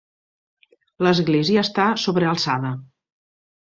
L'església està sobrealçada.